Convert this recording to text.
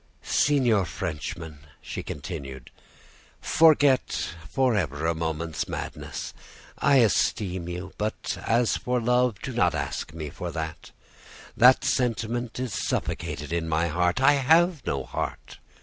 "'Signor Frenchman,' she continued, 'forget forever a moment's madness. I esteem you, but as for love, do not ask me for that; that sentiment is suffocated in my heart. I have no heart!